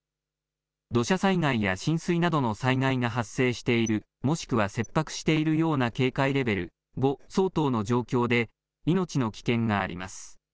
土砂災害や浸水などの災害が発生している、もしくは切迫しているような警戒レベル５相当の状況で命の危険があります。